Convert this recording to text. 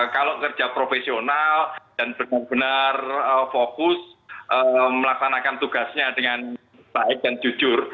kalau kerja profesional dan benar benar fokus melaksanakan tugasnya dengan baik dan jujur